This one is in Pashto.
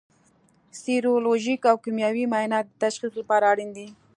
سیرولوژیک او کیمیاوي معاینات د تشخیص لپاره اړین دي.